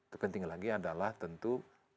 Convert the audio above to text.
ketinggalan lagi adalah tentu